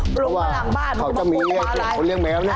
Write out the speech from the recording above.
ของเขามีแหละนน่ะ